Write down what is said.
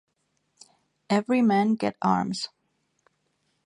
Every man get arms.